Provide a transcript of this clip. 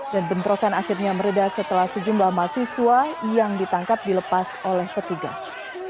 dan bentrokan akhirnya meredah setelah sejumlah mahasiswa yang ditangkap dilepas oleh petugas